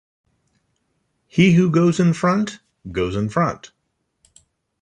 He who goes in front, goes in front.